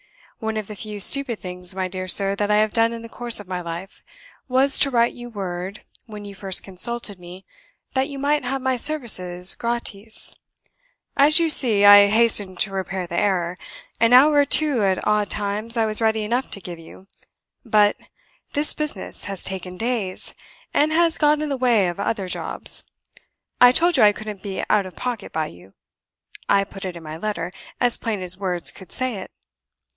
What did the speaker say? One of the few stupid things, my dear sir, that I have done in the course of my life was to write you word, when you first consulted me, that you might have my services gratis. As you see, I hasten to repair the error. An hour or two at odd times I was ready enough to give you. But this business has taken days, and has got in the way of other jobs. I told you I couldn't be out of pocket by you I put it in my letter, as plain as words could say it."